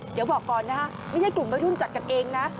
อ้อเดี๋ยวบอกก่อนนะไม่ใช่กลุ่มบริยุนจัดกันเองนะ